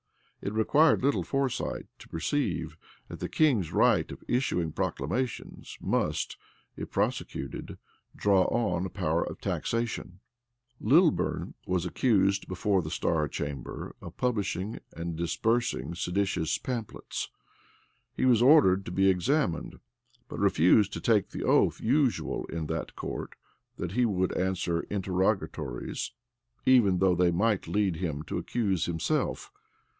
[] It required little foresight to perceive, that the king's right of issuing proclamations must, if prosecuted, draw on a power of taxation. * Rash. vol. ii p. 197. Rush. vol. ii, p. 45. Lilburne was accused before the star chamber of publishing and dispersing seditious pamphlets. He was ordered to be examined; but refused to take the oath usual in that court that he would answer interrogatories, even though they might lead him to accuse himself.